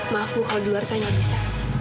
maaf bu kalau di luar saya nggak bisa